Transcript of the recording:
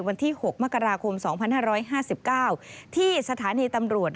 วันที่๖มกราคม๒๕๕๙ที่สถานีตำรวจ